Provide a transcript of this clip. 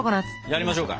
やりましょうか。